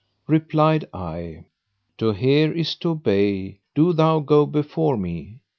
Replied I, "To hear is to obey: do thou go before me!"